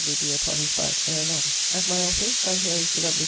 B. upon his back ere long. At my office, I hearing Sir W.